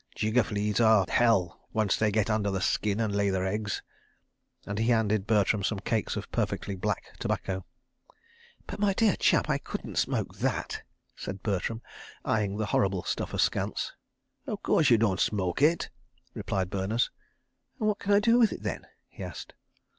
Jigger fleas are, hell, once they get under the skin and lay their eggs. .." and he handed Bertram some cakes of perfectly black tobacco. "But, my dear chap, I couldn't smoke that," said Bertram, eyeing the horrible stuff askance. "Of course you can't smoke it," replied Berners. "What can I do with it, then?" he asked.